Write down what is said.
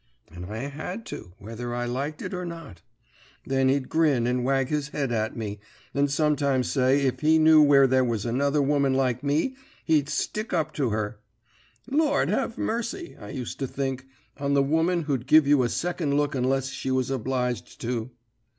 "And I had to, whether I liked it or not. Then he'd grin and wag his head at me, and sometimes say if he knew where there was another woman like me he'd stick up to her. 'Lord have mercy,' I used to think, 'on the woman who'd give you a second look unless she was obliged to!'